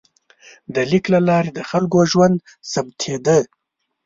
د لیک له لارې د خلکو ژوند ثبتېده.